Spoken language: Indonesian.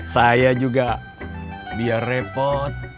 saya juga biar repot